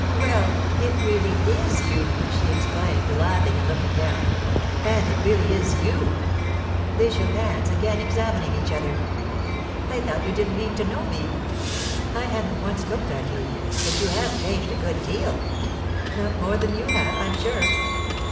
"Well, it really is you!" she exclaimed, laughing and looking down. "And it is really you!" They shook hands, again examining each other. "I thought you didn't mean to know me." "I hadn't once looked at you. But you have changed a good deal." "Not more than you have, I'm sure."